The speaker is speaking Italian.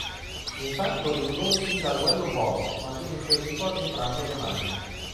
Intanto Ringo sfida a duello Bob, ma viene ferito ad entrambe le mani.